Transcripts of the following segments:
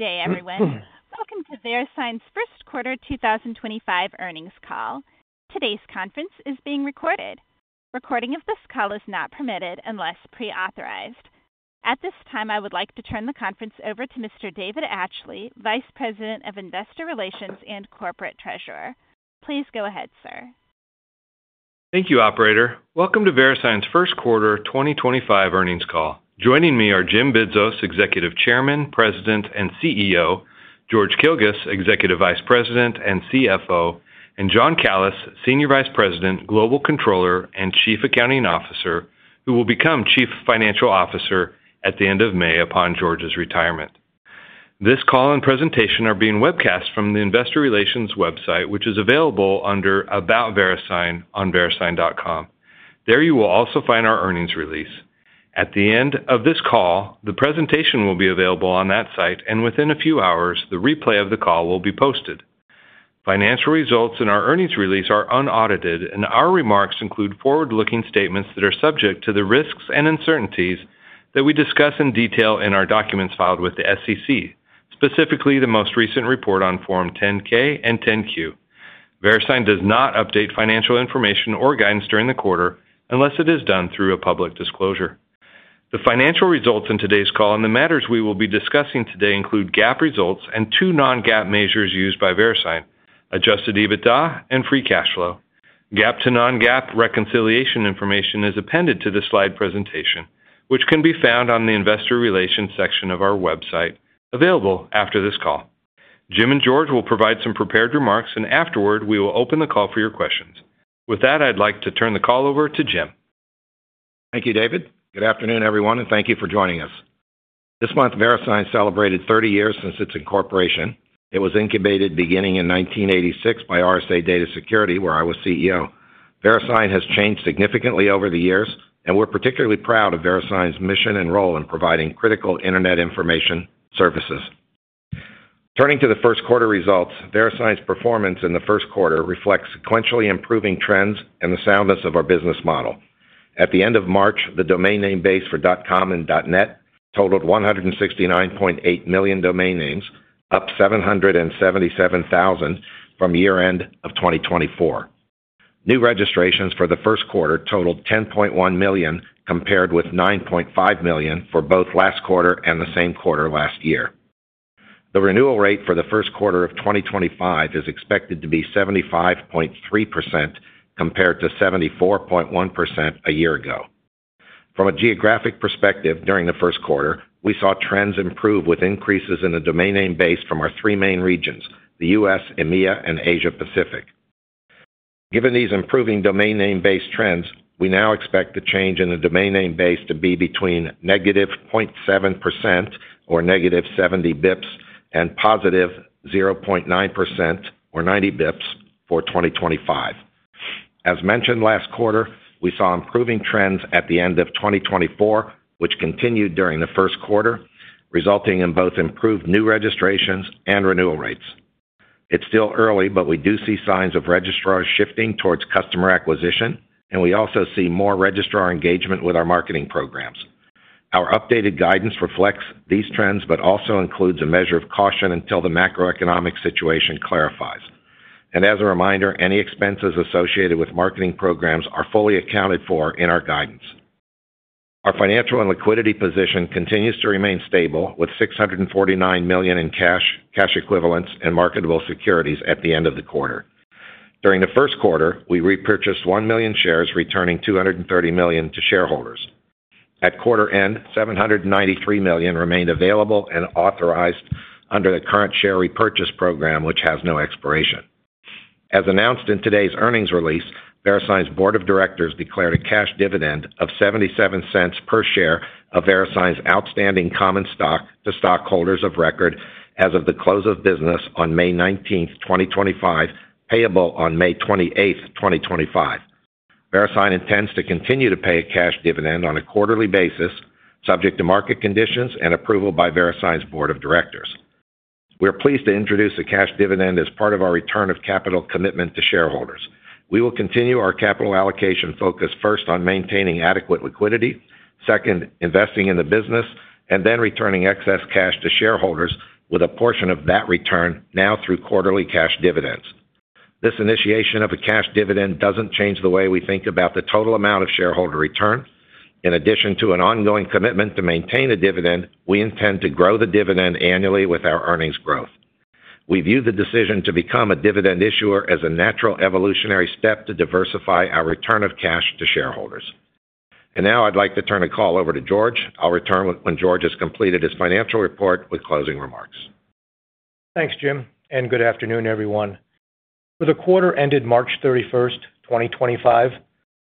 Day everyone. Welcome to Verisign's first quarter 2025 earnings call. Today's conference is being recorded. Recording of this call is not permitted unless pre-authorized. At this time, I would like to turn the conference over to Mr. David Atchley, Vice President of Investor Relations and Corporate Treasurer. Please go ahead, sir. Thank you, Operator. Welcome to Verisign's first quarter 2025 earnings call. Joining me are Jim Bidzos, Executive Chairman, President, and CEO; George Kilguss, Executive Vice President and CFO; and John Calys, Senior Vice President, Global Controller, and Chief Accounting Officer, who will become Chief Financial Officer at the end of May upon George's retirement. This call and presentation are being webcast from the Investor Relations website, which is available under About Verisign on verisign.com. There you will also find our earnings release. At the end of this call, the presentation will be available on that site, and within a few hours, the replay of the call will be posted. Financial results in our earnings release are unaudited, and our remarks include forward-looking statements that are subject to the risks and uncertainties that we discuss in detail in our documents filed with the SEC, specifically the most recent report on Form 10-K and 10-Q. Verisign does not update financial information or guidance during the quarter unless it is done through a public disclosure. The financial results in today's call and the matters we will be discussing today include GAAP results and two non-GAAP measures used by Verisign: Adjusted EBITDA and Free Cash Flow. GAAP to non-GAAP reconciliation information is appended to the slide presentation, which can be found on the Investor Relations section of our website, available after this call. Jim and George will provide some prepared remarks, and afterward we will open the call for your questions. With that, I'd like to turn the call over to Jim. Thank you, David. Good afternoon everyone, and thank you for joining us. This month, Verisign celebrated 30 years since its incorporation. It was incubated beginning in 1986 by RSA Data Security, where I was CEO. Verisign has changed significantly over the years, and we're particularly proud of Verisign's mission and role in providing critical internet information services. Turning to the first quarter results, Verisign's performance in the first quarter reflects sequentially improving trends and the soundness of our business model. At the end of March, the domain name base for .com and .net totaled 169.8 million domain names, up 777,000 from year-end of 2024. New registrations for the first quarter totaled 10.1 million, compared with 9.5 million for both last quarter and the same quarter last year. The renewal rate for the first quarter of 2025 is expected to be 75.3%, compared to 74.1% a year ago. From a geographic perspective, during the first quarter, we saw trends improve with increases in the domain name base from our three main regions: the U.S., EMEA, and Asia-Pacific. Given these improving domain name base trends, we now expect the change in the domain name base to be between negative 0.7% or negative 70 basis points and positive 0.9% or 90 basis points for 2025. As mentioned last quarter, we saw improving trends at the end of 2024, which continued during the first quarter, resulting in both improved new registrations and renewal rates. It's still early, but we do see signs of registrar shifting towards customer acquisition, and we also see more registrar engagement with our marketing programs. Our updated guidance reflects these trends, but also includes a measure of caution until the macroeconomic situation clarifies. As a reminder, any expenses associated with marketing programs are fully accounted for in our guidance. Our financial and liquidity position continues to remain stable, with $649 million in cash, cash equivalents, and marketable securities at the end of the quarter. During the first quarter, we repurchased 1 million shares, returning $230 million to shareholders. At quarter end, $793 million remained available and authorized under the current share repurchase program, which has no expiration. As announced in today's earnings release, Verisign's Board of Directors declared a cash dividend of $0.77 per share of Verisign's outstanding common stock to stockholders of record as of the close of business on May 19, 2025, payable on May 28, 2025. Verisign intends to continue to pay a cash dividend on a quarterly basis, subject to market conditions and approval by Verisign's Board of Directors. We are pleased to introduce a cash dividend as part of our return of capital commitment to shareholders. We will continue our capital allocation focus first on maintaining adequate liquidity, second, investing in the business, and then returning excess cash to shareholders with a portion of that return now through quarterly cash dividends. This initiation of a cash dividend does not change the way we think about the total amount of shareholder return. In addition to an ongoing commitment to maintain a dividend, we intend to grow the dividend annually with our earnings growth. We view the decision to become a dividend issuer as a natural evolutionary step to diversify our return of cash to shareholders. I would like to turn the call over to George. I will return when George has completed his financial report with closing remarks. Thanks, Jim. Good afternoon, everyone. For the quarter ended March 31st 2025,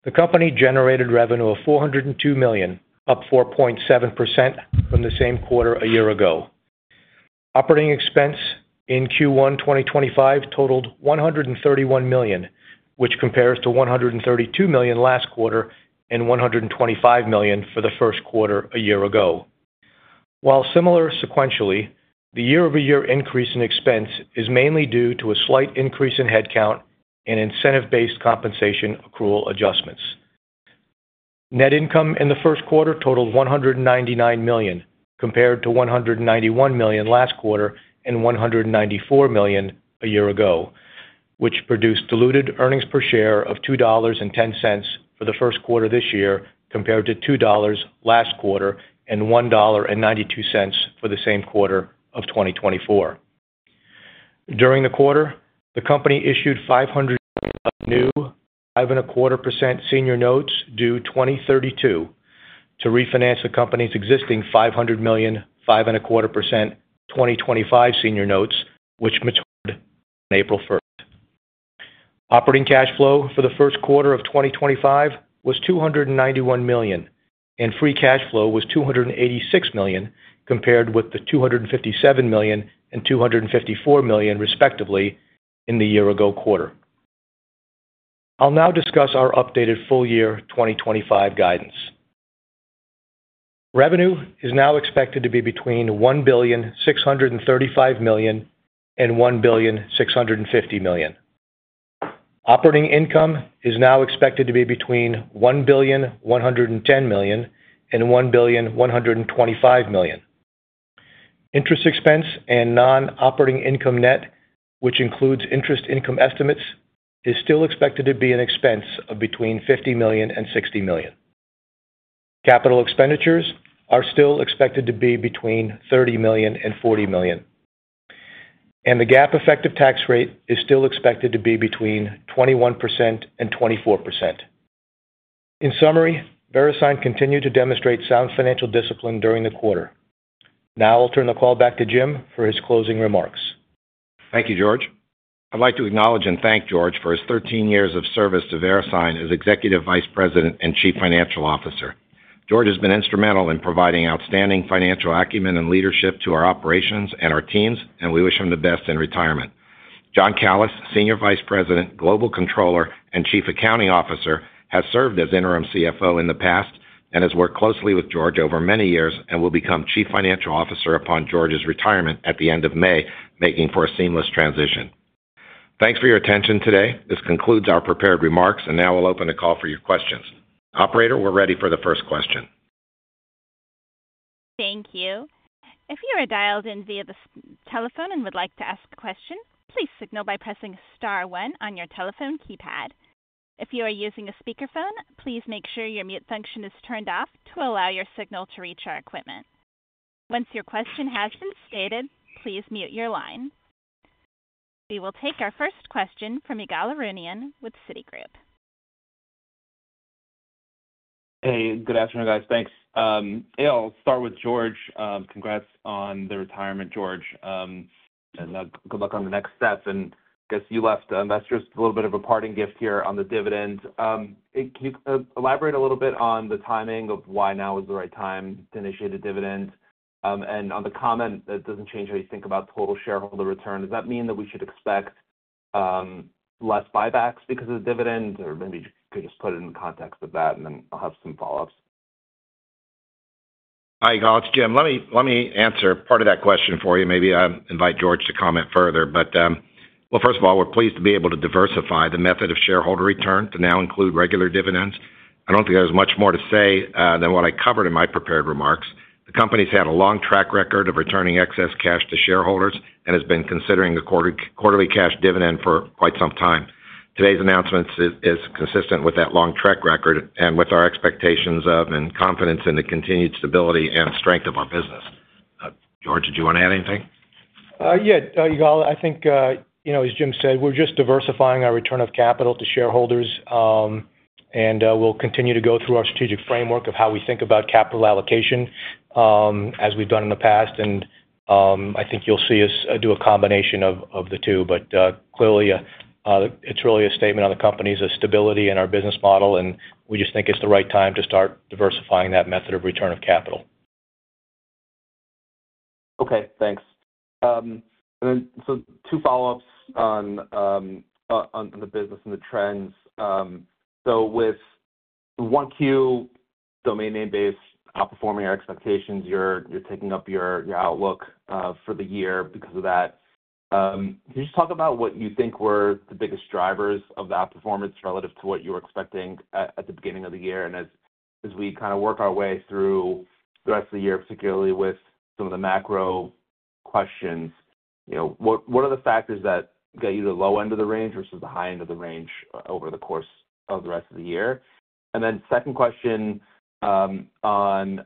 the company generated revenue of $402 million, up 4.7% from the same quarter a year ago. Operating expense in Q1 2025 totaled $131 million, which compares to $132 million last quarter and $125 million for the first quarter a year ago. While similar sequentially, the year-over-year increase in expense is mainly due to a slight increase in headcount and incentive-based compensation accrual adjustments. Net income in the first quarter totaled $199 million, compared to $191 million last quarter and $194 million a year ago, which produced diluted earnings per share of $2.10 for the first quarter this year, compared to $2 last quarter and $1.92 for the same quarter of 2024. During the quarter, the company issued $500 million new 5.25% senior notes due 2032 to refinance the company's existing $500 million 5.25% 2025 senior notes, which matured on April 1. Operating cash flow for the first quarter of 2025 was $291 million, and free cash flow was $286 million, compared with the $257 million and $254 million, respectively, in the year-ago quarter. I'll now discuss our updated full year 2025 guidance. Revenue is now expected to be between $1,635 million and $1,650 million. Operating income is now expected to be between $1.110 billion and $1,125 million. Interest expense and non-operating income net, which includes interest income estimates, is still expected to be an expense of between $50 million and $60 million. Capital expenditures are still expected to be between $30 million and $40 million. The GAAP effective tax rate is still expected to be between 21% and 24%. In summary, Verisign continued to demonstrate sound financial discipline during the quarter. Now I'll turn the call back to Jim for his closing remarks. Thank you, George. I'd like to acknowledge and thank George for his 13 years of service to Verisign as Executive Vice President and Chief Financial Officer. George has been instrumental in providing outstanding financial acumen and leadership to our operations and our teams, and we wish him the best in retirement. John Calys, Senior Vice President, Global Controller, and Chief Accounting Officer has served as Interim CFO in the past and has worked closely with George over many years and will become Chief Financial Officer upon George's retirement at the end of May, making for a seamless transition. Thanks for your attention today. This concludes our prepared remarks, and now we'll open the call for your questions. Operator, we're ready for the first question. Thank you. If you are dialed in via the telephone and would like to ask a question, please signal by pressing star one on your telephone keypad. If you are using a speakerphone, please make sure your mute function is turned off to allow your signal to reach our equipment. Once your question has been stated, please mute your line. We will take our first question from Ygal Arounian with Citigroup. Hey, good afternoon, guys. Thanks. I'll start with George. Congrats on the retirement, George. Good luck on the next steps. I guess you left investors with a little bit of a parting gift here on the dividend. Can you elaborate a little bit on the timing of why now is the right time to initiate a dividend? On the comment that doesn't change how you think about total shareholder return, does that mean that we should expect less buybacks because of the dividend? Maybe you could just put it in the context of that, and then I'll have some follow-ups. Hi, I'll let you, Jim, let me answer part of that question for you. Maybe I'll invite George to comment further. First of all, we're pleased to be able to diversify the method of shareholder return to now include regular dividends. I don't think there's much more to say than what I covered in my prepared remarks. The company's had a long track record of returning excess cash to shareholders and has been considering a quarterly cash dividend for quite some time. Today's announcement is consistent with that long track record and with our expectations of and confidence in the continued stability and strength of our business. George, did you want to add anything? Yeah, Ygal, I think, you know, as Jim said, we're just diversifying our return of capital to shareholders, and we'll continue to go through our strategic framework of how we think about capital allocation as we've done in the past. I think you'll see us do a combination of the two. Clearly, it's really a statement on the company's stability and our business model, and we just think it's the right time to start diversifying that method of return of capital. Okay, thanks. Two follow-ups on the business and the trends. With 1Q domain name base outperforming our expectations, you're taking up your outlook for the year because of that. Can you just talk about what you think were the biggest drivers of that performance relative to what you were expecting at the beginning of the year? As we kind of work our way through the rest of the year, particularly with some of the macro questions, you know, what are the factors that get you to the low end of the range versus the high end of the range over the course of the rest of the year? Second question on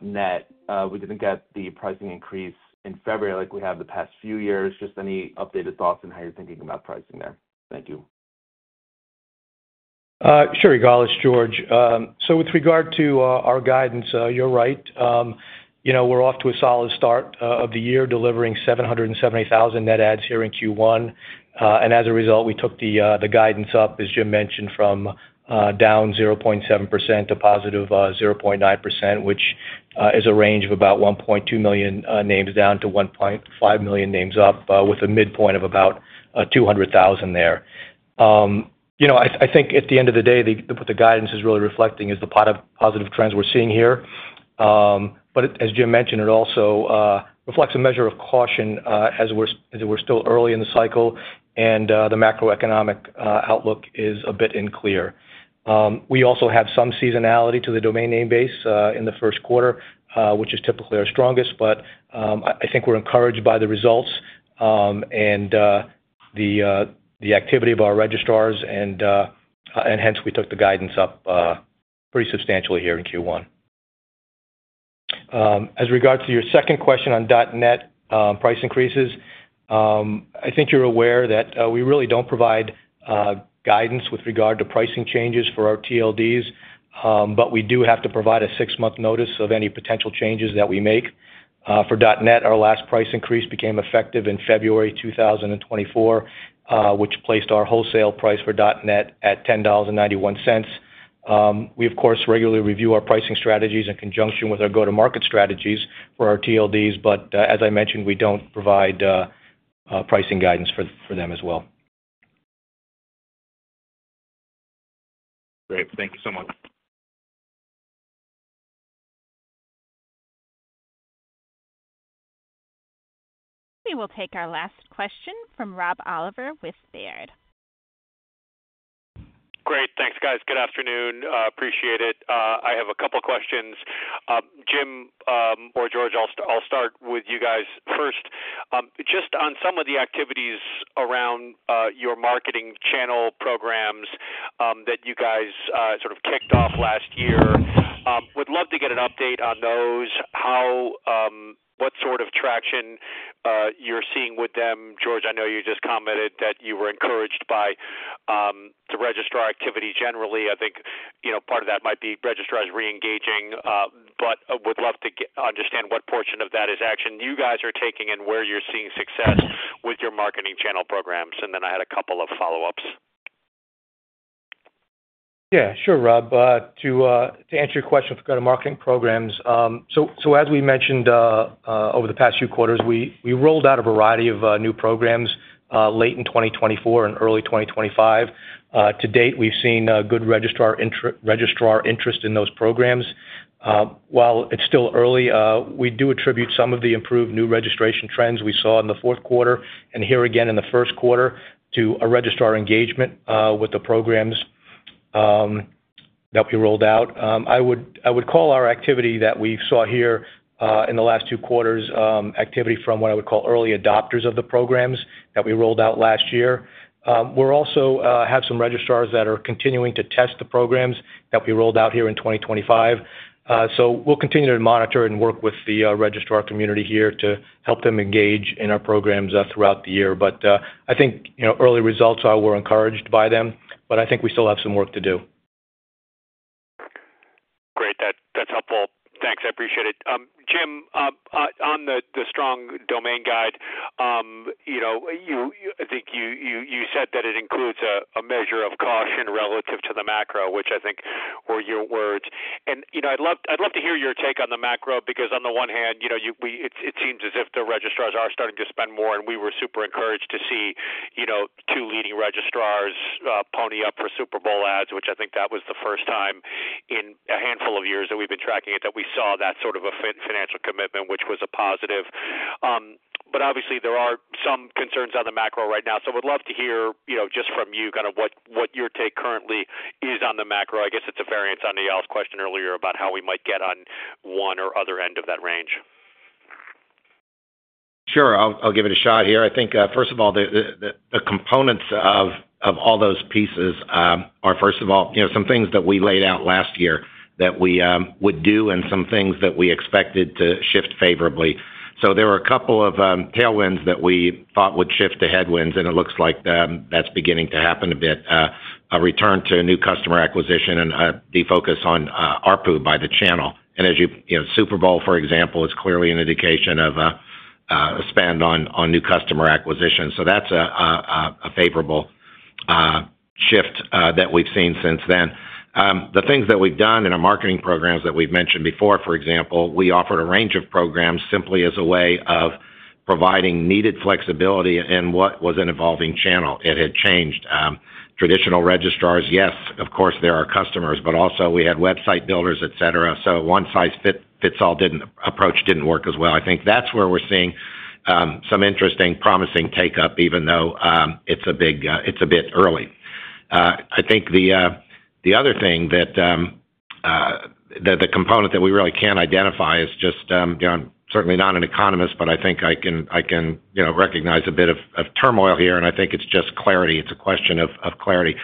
.net, we did not get the pricing increase in February like we have the past few years. Just any updated thoughts and how you're thinking about pricing there? Thank you. Sure, Ygal, it's George. With regard to our guidance, you're right. You know, we're off to a solid start of the year delivering 770,000 net adds here in Q1. As a result, we took the guidance up, as Jim mentioned, from down 0.7% to positive 0.9%, which is a range of about 1.2 million names down to 1.5 million names up with a midpoint of about 200,000 there. You know, I think at the end of the day, what the guidance is really reflecting is the positive trends we're seeing here. As Jim mentioned, it also reflects a measure of caution as we're still early in the cycle and the macroeconomic outlook is a bit unclear. We also have some seasonality to the domain name base in the first quarter, which is typically our strongest, but I think we're encouraged by the results and the activity of our registrars, and hence we took the guidance up pretty substantially here in Q1. As regards to your second question on .net price increases, I think you're aware that we really don't provide guidance with regard to pricing changes for our TLDs, but we do have to provide a six-month notice of any potential changes that we make. For .net, our last price increase became effective in February 2024, which placed our wholesale price for .net at $10.91. We, of course, regularly review our pricing strategies in conjunction with our go-to-market strategies for our TLDs, but as I mentioned, we don't provide pricing guidance for them as well. Great. Thank you so much. We will take our last question from Rob Oliver with Baird. Great. Thanks, guys. Good afternoon. Appreciate it. I have a couple of questions. Jim or George, I'll start with you guys first. Just on some of the activities around your marketing channel programs that you guys sort of kicked off last year, would love to get an update on those, what sort of traction you're seeing with them. George, I know you just commented that you were encouraged by the registrar activity generally. I think, you know, part of that might be registrars re-engaging, but I would love to understand what portion of that is action you guys are taking and where you're seeing success with your marketing channel programs. I had a couple of follow-ups. Yeah, sure, Rob. To answer your question with regard to marketing programs, as we mentioned over the past few quarters, we rolled out a variety of new programs late in 2024 and early 2025. To date, we've seen good registrar interest in those programs. While it's still early, we do attribute some of the improved new registration trends we saw in the fourth quarter and here again in the first quarter to our registrar engagement with the programs that we rolled out. I would call our activity that we saw here in the last two quarters activity from what I would call early adopters of the programs that we rolled out last year. We also have some registrars that are continuing to test the programs that we rolled out here in 2025. We will continue to monitor and work with the registrar community here to help them engage in our programs throughout the year. I think, you know, early results were encouraged by them, but I think we still have some work to do. Great. That's helpful. Thanks. I appreciate it. Jim, on the strong domain guide, you know, I think you said that it includes a measure of caution relative to the macro, which I think were your words. You know, I'd love to hear your take on the macro because on the one hand, you know, it seems as if the registrars are starting to spend more, and we were super encouraged to see, you know, two leading registrars pony up for Super Bowl ads, which I think that was the first time in a handful of years that we've been tracking it that we saw that sort of a financial commitment, which was a positive. Obviously, there are some concerns on the macro right now. I would love to hear, you know, just from you kind of what your take currently is on the macro. I guess it's a variance on Ygal's question earlier about how we might get on one or other end of that range. Sure. I'll give it a shot here. I think, first of all, the components of all those pieces are, first of all, you know, some things that we laid out last year that we would do and some things that we expected to shift favorably. There were a couple of tailwinds that we thought would shift to headwinds, and it looks like that's beginning to happen a bit, a return to new customer acquisition and a focus on ARPU by the channel. As you, you know, Super Bowl, for example, is clearly an indication of a spend on new customer acquisition. That's a favorable shift that we've seen since then. The things that we've done in our marketing programs that we've mentioned before, for example, we offered a range of programs simply as a way of providing needed flexibility in what was an evolving channel. It had changed. Traditional registrars, yes, of course, there are customers, but also we had website builders, et cetera. One-size-fits-all approach did not work as well. I think that is where we are seeing some interesting, promising take-up, even though it is a bit early. I think the other thing that the component that we really cannot identify is just, you know, I am certainly not an economist, but I think I can, you know, recognize a bit of turmoil here, and I think it is just clarity. It is a question of clarity.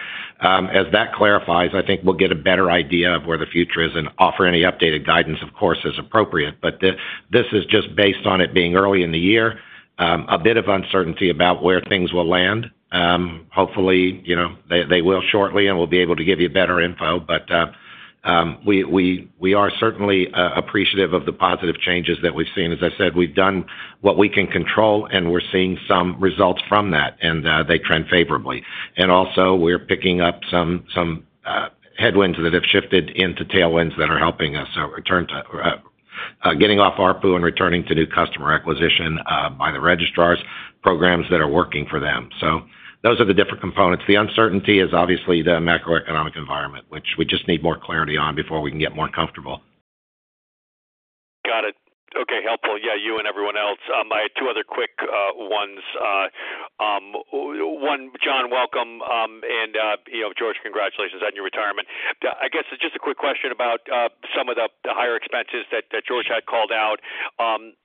As that clarifies, I think we will get a better idea of where the future is and offer any updated guidance, of course, as appropriate. This is just based on it being early in the year, a bit of uncertainty about where things will land. Hopefully, you know, they will shortly and we will be able to give you better info. We are certainly appreciative of the positive changes that we've seen. As I said, we've done what we can control, and we're seeing some results from that, and they trend favorably. Also, we're picking up some headwinds that have shifted into tailwinds that are helping us return to getting off ARPU and returning to new customer acquisition by the registrars' programs that are working for them. Those are the different components. The uncertainty is obviously the macroeconomic environment, which we just need more clarity on before we can get more comfortable. Got it. Okay, helpful. Yeah, you and everyone else. My two other quick ones. One, John, welcome. And, you know, George, congratulations on your retirement. I guess just a quick question about some of the higher expenses that George had called out.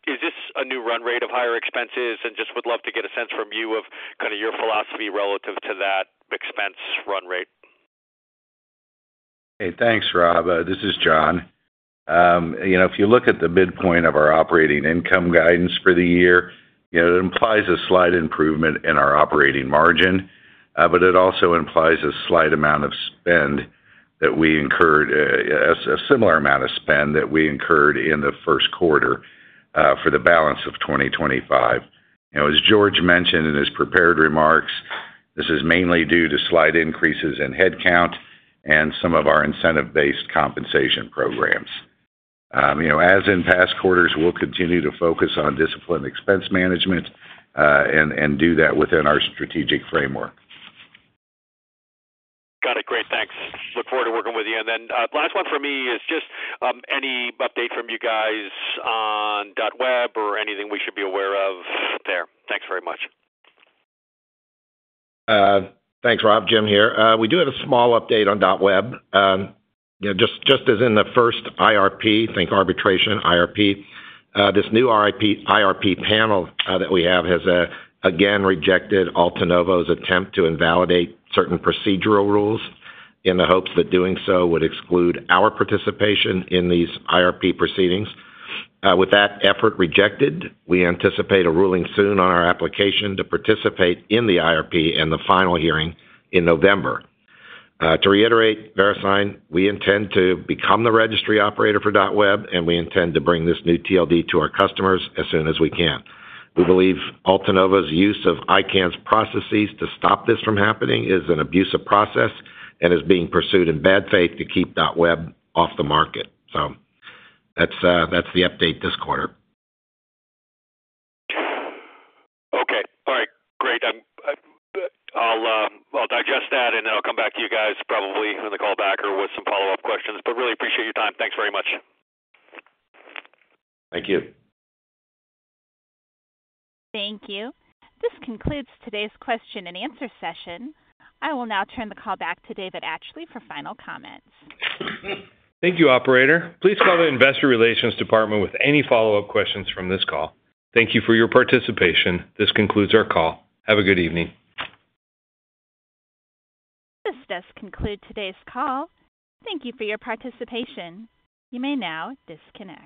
Is this a new run rate of higher expenses? I just would love to get a sense from you of kind of your philosophy relative to that expense run rate. Hey, thanks, Rob. This is John. You know, if you look at the midpoint of our operating income guidance for the year, you know, it implies a slight improvement in our operating margin, but it also implies a slight amount of spend that we incurred, a similar amount of spend that we incurred in the first quarter for the balance of 2025. You know, as George mentioned in his prepared remarks, this is mainly due to slight increases in headcount and some of our incentive-based compensation programs. You know, as in past quarters, we'll continue to focus on discipline expense management and do that within our strategic framework. Great, thanks. Look forward to working with you. Last one for me is just any update from you guys on .web or anything we should be aware of there. Thanks very much. Thanks, Rob. Jim here. We do have a small update on .web. You know, just as in the first IRP, think arbitration IRP, this new IRP panel that we have has again rejected AltaNovo's attempt to invalidate certain procedural rules in the hopes that doing so would exclude our participation in these IRP proceedings. With that effort rejected, we anticipate a ruling soon on our application to participate in the IRP and the final hearing in November. To reiterate, Verisign, we intend to become the registry operator for .web, and we intend to bring this new TLD to our customers as soon as we can. We believe AltaNovo's use of ICANN's processes to stop this from happening is an abusive process and is being pursued in bad faith to keep .web off the market. That is the update this quarter. Okay. All right. Great. I'll digest that, and then I'll come back to you guys probably on the call back or with some follow-up questions. Really appreciate your time. Thanks very much. Thank you. Thank you. This concludes today's question and answer session. I will now turn the call back to David Atchley for final comments. Thank you, Operator. Please call the Investor Relations Department with any follow-up questions from this call. Thank you for your participation. This concludes our call. Have a good evening. This does conclude today's call. Thank you for your participation. You may now disconnect.